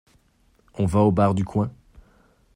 On va au bar du coin?